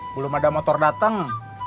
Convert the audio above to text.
belum ada motor dateng